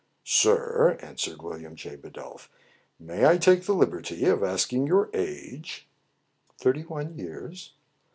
"Sir," answered William J. Bidulph, "may I take the liberty of asking your age }" "Thirty one years."